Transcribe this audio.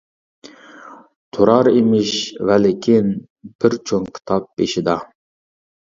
تۇرار ئىمىش ۋەلىكىن، بىر چوڭ كىتاب بېشىدا.